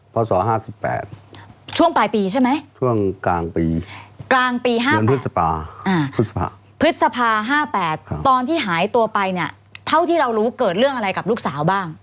พศ๕๘ช่วงปลายปีใช่ไหมช่วงกลางปีกลางปี๕เดือนพฤษภา๕๘ตอนที่หายตัวไปเนี่ยเท่าที่เรารู้เกิดเรื่องอะไรกับลูกสาวบ้าง